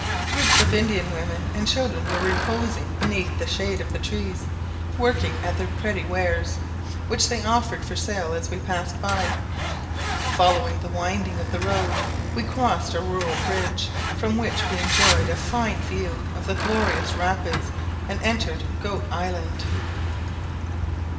Groups of Indian women and children were reposing beneath the shade of the trees, working at their pretty wares, which they offered for sale as we passed by. Following the winding of the road, we crossed a rural bridge, from which we enjoyed a fine view of the glorious Rapids, and entered Goat Island.